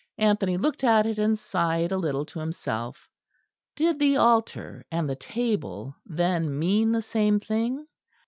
Anthony looked at it, and sighed a little to himself. Did the altar and the table then mean the same thing?